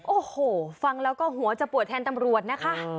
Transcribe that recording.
โอ้โหฟังแล้วก็หัวจะปวดแทนตำรวจนะคะ